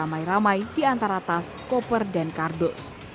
ramai ramai di antara tas koper dan kardus